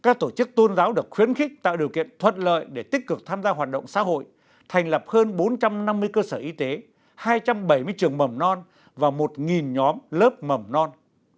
các tổ chức tôn giáo được khuyến khích tạo điều kiện thuận lợi để tích cực tham gia hoạt động xã hội thành lập hơn bốn trăm năm mươi cơ sở y tế hai trăm bảy mươi trường mầm non và một nhóm lớp mầm non